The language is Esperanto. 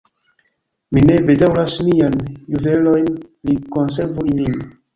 Mi ne bedaŭras miajn juvelojn; li konservu ilin!